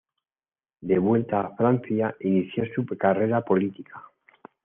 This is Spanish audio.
De vuelta a Francia, inició su carrera política.